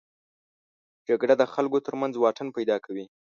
جګړه د خلکو تر منځ واټن پیدا کوي